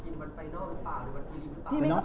หรือมันไปรีบหรือเปล่า